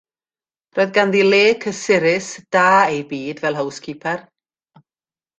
Roedd ganddi le cysurus, da ei byd fel howscipar.